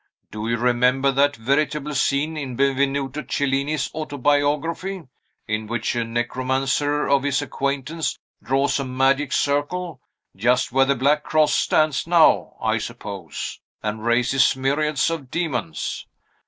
"Do you remember that veritable scene in Benvenuto Cellini's autobiography, in which a necromancer of his acquaintance draws a magic circle just where the black cross stands now, I suppose and raises myriads of demons?